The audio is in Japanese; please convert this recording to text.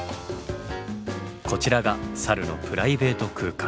こちらがサルのプライベート空間。